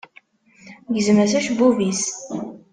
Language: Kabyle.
Gzem-as acebbub-is.